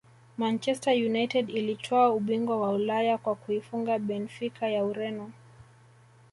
manchester united ilitwaa ubingwa wa ulaya kwa kuifunga benfica ya Ureno